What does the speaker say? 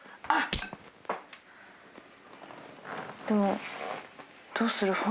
でもどうする？